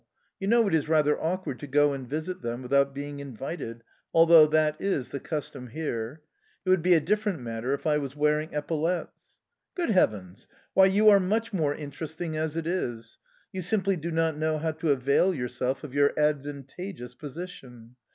You know it is rather awkward to go and visit them without being invited, although that is the custom here... It would be a different matter if I was wearing epaulettes"... "Good heavens! Why, you are much more interesting as it is! You simply do not know how to avail yourself of your advantageous position...